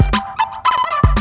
kau mau kemana